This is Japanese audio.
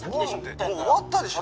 何でもう終わったでしょ